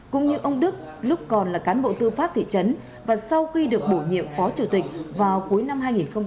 cũng như ông đức lúc còn là cán bộ tư pháp thị trấn và sau khi được bổ nhiệm phó chủ tịch vào cuối năm hai nghìn một mươi ba